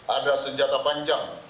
ada senjata panjang